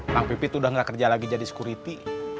bang pipit udah gak kerja lagi jadi sekuriti